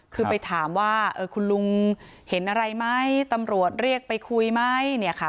คือไปถามว่าคุณลุงเห็นอะไรไหมตำรวจเรียกไปคุยไหมเนี่ยค่ะ